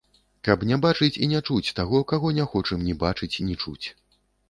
Каб не бачыць і не чуць таго, каго не хочам ні бачыць, ні чуць.